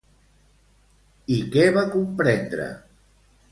I què va comprendre?